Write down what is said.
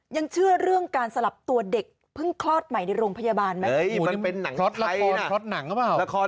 ยังเชื่อเรื่องการสลับตัวเด็กเพิ่งคลอดใหม่ในโรงพยาบาลไหม